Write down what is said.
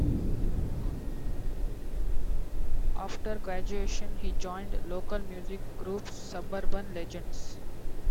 After graduation, he joined local music group Suburban Legends.